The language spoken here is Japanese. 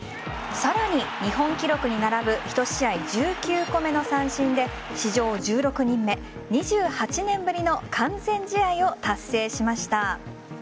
さらに日本記録に並ぶ１試合１９個目の三振で史上１６人目、２８年ぶりの完全試合を達成しました。